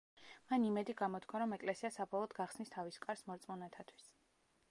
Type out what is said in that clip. მან იმედი გამოთქვა, რომ ეკლესია საბოლოოდ „გახსნის თავის კარს მორწმუნეთათვის“.